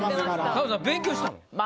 田辺さん勉強したの？